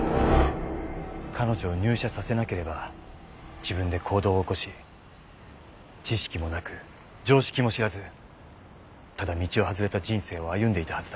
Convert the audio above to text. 彼女を入社させなければ自分で行動を起こし知識もなく常識も知らずただ道を外れた人生を歩んでいたはずだ。